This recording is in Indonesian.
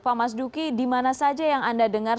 pak mas duki dimana saja yang anda dengar